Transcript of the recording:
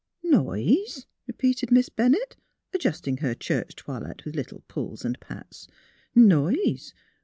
Noise? " repeated Miss Bennett, adjusting her church toilet with little pulls and pats. '' Noise!